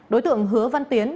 đối tượng hứa văn tiến